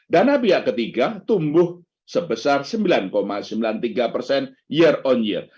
dana pihak ketiga tumbuh sebesar sembilan sembilan puluh tiga persen year on year